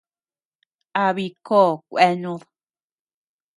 Abi kó kuenud.